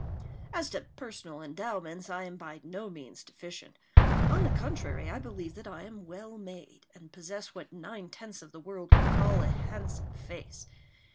As to personal endowments, I am by no means deficient. On the contrary, I believe that I am well made, and possess what nine tenths of the world would call a handsome face.